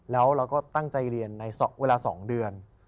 แล้วเราก็ตั้งใจเรียนในเวลา๒เดือน